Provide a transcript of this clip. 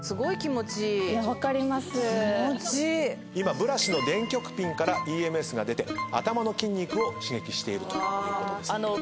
今ブラシの電極ピンからＥＭＳが出て頭の筋肉を刺激しているということです。